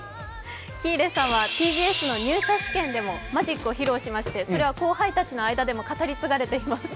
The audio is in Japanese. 喜入さんはＴＢＳの入社試験でもマジックを披露しましてそれは後輩たちの間でも語り継がれています。